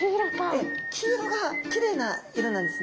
ええ黄色がきれいな色なんですね。